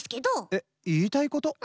えっいいたいこと？